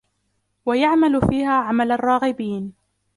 وَيَعْمَلُ فِيهَا عَمَلَ الرَّاغِبِينَ